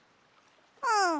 うん。